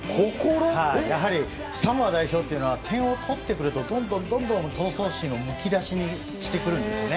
やはりサモア代表というのは点を取ってくるとどんどん、闘争心をむき出しにしてくるんですよね。